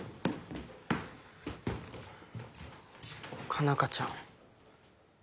佳奈花ちゃん。